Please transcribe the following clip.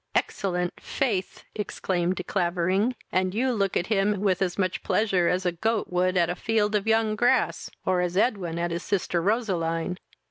"Excellent, faith! (exclaimed De Clavering;) and you look at him with as much pleasure as a goat would at a field of young grass, or as Edwin at his sister Roseline."